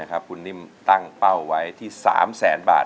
คุณนิ่มตั้งเป้าไว้ที่๓แสนบาท